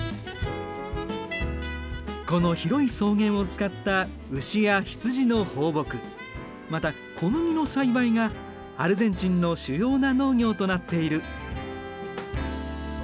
この広い草原を使った牛や羊の放牧また小麦の栽培がアルゼンチンの主要な農業となっている。